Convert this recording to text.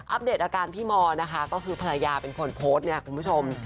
เดตอาการพี่มอนะคะก็คือภรรยาเป็นคนโพสต์เนี่ยคุณผู้ชม